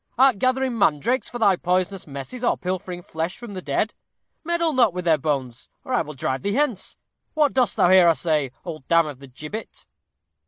Art gathering mandrakes for thy poisonous messes, or pilfering flesh from the dead? Meddle not with their bones, or I will drive thee hence. What dost thou here, I say, old dam of the gibbet?"